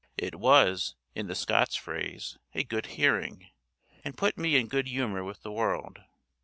It was, in the Scots phrase, a good hearing, and put me in good humour with the world.